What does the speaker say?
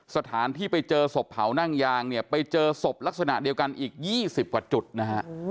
สถานที่ไปเจอศพเผานั่งยางเนี่ยไปเจอศพลักษณะเดียวกันอีก๒๐กว่าจุดนะฮะ